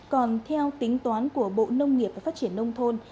còn theo tính toán của bộ nông nghiệp và phát triển nông thôn